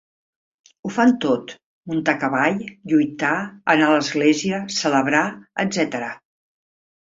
Ho fan tot: muntar a cavall, lluitar, anar a l'església, celebrar, etc.